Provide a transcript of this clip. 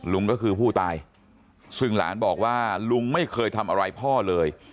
ลุงก็คือผู้ตายซึ่งหลานบอกว่าลุงไม่เคยทำอะไรพ่อเลย